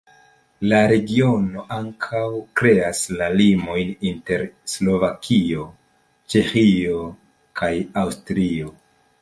La regiono ankaŭ kreas la limojn inter Slovakio, Ĉeĥio kaj Aŭstrio.